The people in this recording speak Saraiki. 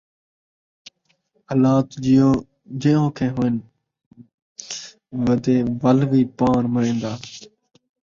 حالات جہوڄے اوکھے ہن ودے ول وی ٻاݨ مریندا